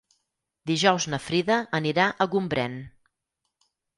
Dijous na Frida anirà a Gombrèn.